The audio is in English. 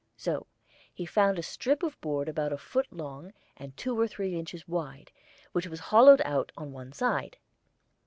So he found a strip of board about a foot long and two or three inches wide, which was hollowed out on one side.